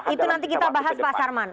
itu nanti kita bahas pak sarman